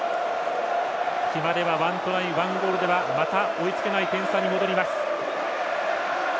決まれば１ゴール１トライではまた、追いつけない点差に戻ります。